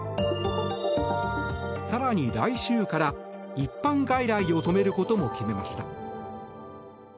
更に、来週から一般外来を止めることも決めました。